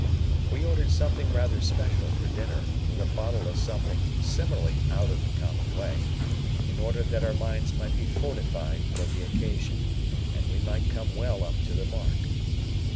We ordered something rather special for dinner, with a bottle of something similarly out of the common way, in order that our minds might be fortified for the occasion, and we might come well up to the mark.